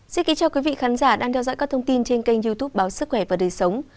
xin kính chào quý vị khán giả đang theo dõi các thông tin trên kênh youtube báo sức khỏe và đời sống